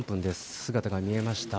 姿が見えました。